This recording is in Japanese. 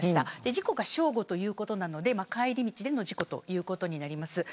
事故は正午ということで帰り道での事故ということになります。